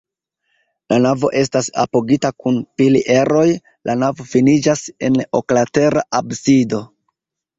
La navo estas apogita kun pilieroj, la navo finiĝas en oklatera absido.